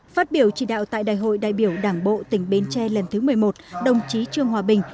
phát biểu chỉ đạo tại đại hội đại biểu đảng bộ tỉnh bến tre lần thứ một mươi một đồng chí trương hòa bình